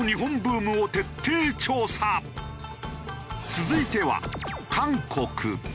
続いては。